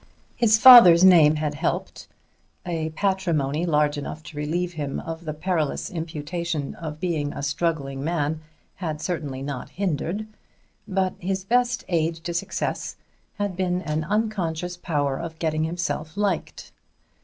His father's name had helped; a patrimony large enough to relieve him of the perilous imputation of being a struggling man had certainly not hindered. But his best aid to success had been an unconscious power of getting himself liked.